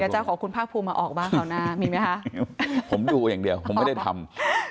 เดี๋ยวจะขอขอคุณภาคภูมิมาออกบ้างเขานะมีไหมคะผมดูอย่างเดียวผมไม่ได้ทำ